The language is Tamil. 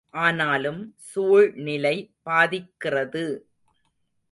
ஆனாலும், சூழ்நிலை பாதிக்கிறது!